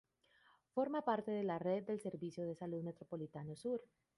Forma parte de la red del Servicio de Salud Metropolitano Sur.